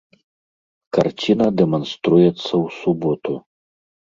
Карціна дэманструецца ў суботу.